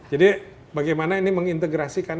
jadi bagaimana ini mengintegrasikan